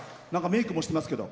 メイクもしてますけど。